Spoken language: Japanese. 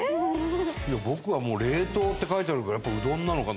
僕は冷凍って書いてあるからやっぱうどんなのかな。